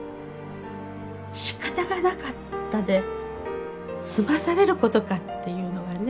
しかたがなかったで済まされることかっていうのがね